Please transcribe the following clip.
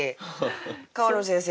川野先生